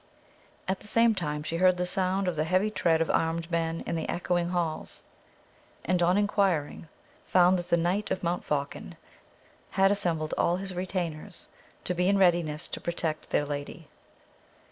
At the same time she heard the sound of the heavy tread of armed men in the echoing halls, and, on inquiring, found that the Knight of Montfaucon had assembled all his retainers to be in readiness to protect their lady.